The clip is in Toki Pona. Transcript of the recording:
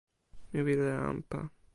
mi wile e anpa.